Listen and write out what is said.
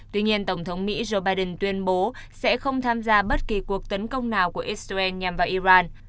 tuy nhiên tổng thống mỹ joe biden tuyên bố sẽ không tham gia bất kỳ cuộc tấn công nào của israel nhằm vào iran